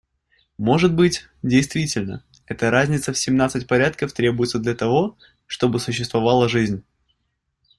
Может быть, действительно, эта разница в семнадцать порядков требуется для того, чтобы существовала жизнь.